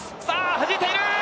はじいている！